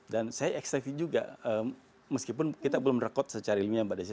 dan saya eksekutif juga meskipun kita belum rekod secara ilmiah mbak desi